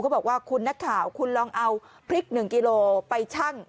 บอกว่าคุณนักข่าวคุณลองเอาพริก๑กิโลไปชั่ง